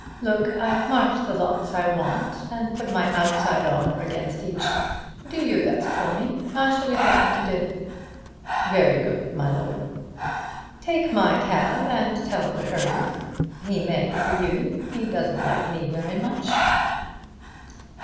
Look! I've marked the lots I want, and put my outside offer against each. Do your best for me. I shall be back to dinner." "Very good, my lord." "Take my cab and tell him to hurry. He may for you; he doesn't like me very much.